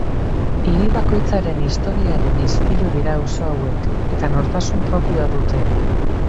Hiri bakoitzaren historiaren ispilu dira auzo hauek eta nortasun propioa dute.